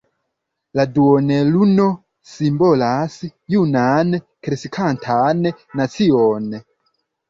La duonluno simbolas junan kreskantan nacion.